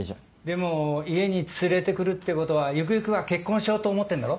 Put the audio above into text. でも家に連れてくるってことはゆくゆくは結婚しようと思ってんだろ？